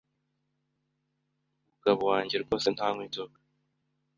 Umugabo wanjye rwose ntanywa inzoga,